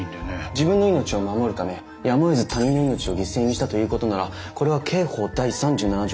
自分の命を守るためやむをえず他人の命を犠牲にしたということならこれは刑法第３７条